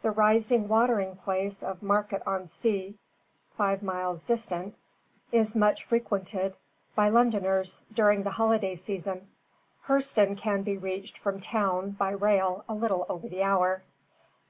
The rising watering place of Market on Sea, five miles distant, is much frequented by Londoners during the holiday season. Hurseton can be reached from town by rail a little over the hour."